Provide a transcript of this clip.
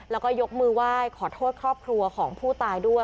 แล้วก็ยกมือไหว้ขอโทษครอบครัวของผู้ตายด้วย